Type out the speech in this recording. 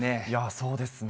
そうですね。